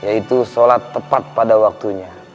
yaitu sholat tepat pada waktunya